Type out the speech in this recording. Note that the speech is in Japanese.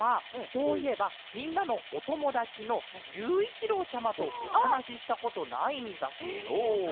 そういえばみんなのおともだちのゆういちろうちゃまとおはなししたことないんだケロ。